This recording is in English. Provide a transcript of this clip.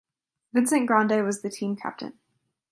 Vincent Grande was the team captain.